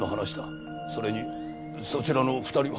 それにそちらの２人は？